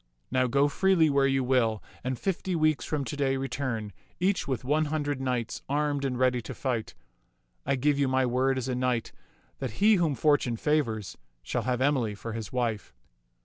Now go freely where you will, and fifty weeks from to day return, each with one hundred knights, armed and ready to fight. I give you my word as a knight that he whom fortune favors shall have Emily for his wife."